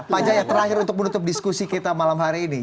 pak jaya terakhir untuk menutup diskusi kita malam hari ini